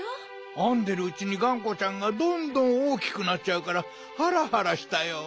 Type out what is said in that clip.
あんでるうちにがんこちゃんがどんどんおおきくなっちゃうからハラハラしたよ。